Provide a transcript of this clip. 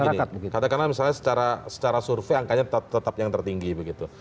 katakanlah misalnya secara survei angkanya tetap yang tertinggi begitu